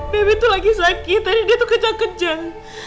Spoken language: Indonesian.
bebe itu lagi sakit tadi dia tuh kejar kejar